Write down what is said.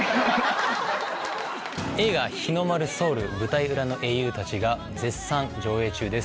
映画『ヒノマルソウル舞台裏の英雄たち』が絶賛上映中です。